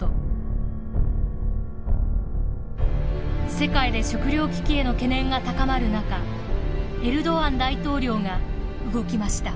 世界で食糧危機への懸念が高まる中エルドアン大統領が動きました。